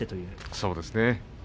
そうですね。